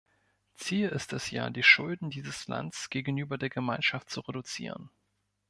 Ziel ist es ja, die Schulden dieses Lands gegenüber der Gemeinschaft zu reduzieren.